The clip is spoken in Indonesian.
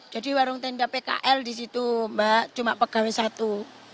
jadi warung tenda pkl di situ mbak cuma pegawai satu